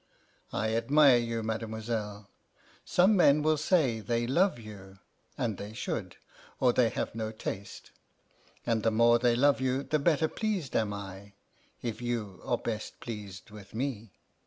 I admire you, mademoiselle. Some men will say they love you; and they should, or they have no taste; and the more they love you, the better pleased am I if you are best pleased with me.